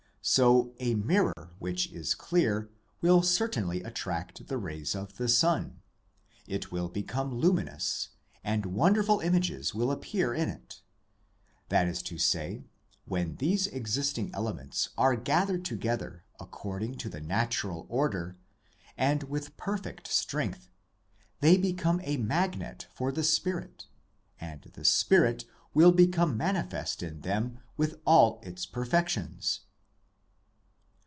So, a mirror which is clear will certainly attract the rays of the sun. It will become luminous, and wonderful images will appear in it. That is to say, when these existing elements are POWERS AND CONDITIONS OF MAN 235 gathered together according to the natural order, and with perfect strength, they become a magnet for the spirit, and the spirit will become manifest in them with all its perfections.